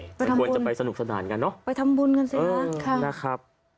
ไปทำบุญกันสินะค่ะน่าจะไปสนุกสนานกันเนอะนะครับไปทำบุญกันสินะ